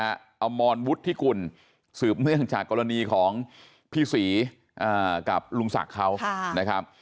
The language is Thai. อมรวุฒิกุลสืบเนื่องจากกรณีของพี่ศรีกับลุงศักดิ์เขานะครับ